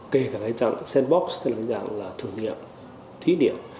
kể cả cái dạng sandbox dạng thử nghiệm thí điểm